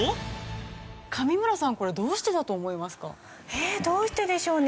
えっどうしてでしょうね？